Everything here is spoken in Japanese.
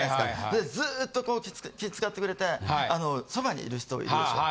でずっと気ぃ使ってくれてそばにいる人いるでしょ？